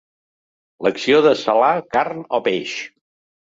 L'acció de salar carn o peix.